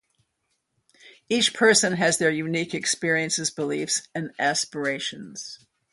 Each person has their unique experiences, beliefs, and aspirations.